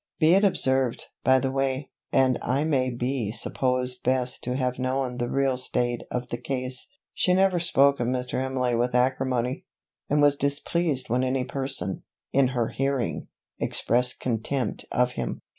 Be it observed, by the way, and I may be supposed best to have known the real state of the case, she never spoke of Mr. Imlay with acrimony, and was displeased when any person, in her hearing, expressed contempt of him.